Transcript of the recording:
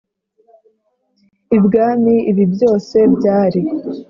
ibwami Ibi byose byari